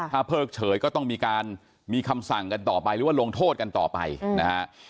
ถ้าเพิกเฉยก็ต้องมีการมีคำสั่งกันต่อไปหรือว่าลงโทษกันต่อไปนะฮะ